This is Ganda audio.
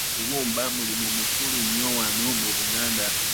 Okubumba mulimu mukulu wano mu Buganda.